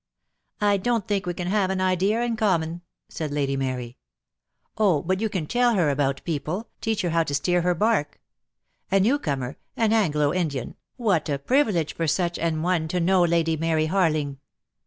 "I don't think we can have an idea in common," said Lady Mary. "Oh, but you can tell her about people, teach her how to steer her bark. A new comer, an Anglo Indian — what a privilege for such an one to know Lady Mary Harling."